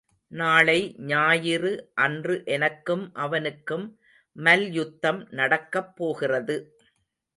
நாளை ஞாயிறு அன்று எனக்கும் அவனுக்கும் மல்யுத்தம் நடக்கப்போகிறது.